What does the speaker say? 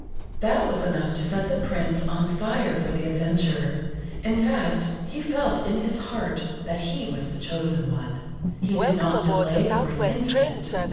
That was enough to set the Prince on fire for the adventure. In fact, he felt in his heart that he was the chosen one. He did not delay for an instant.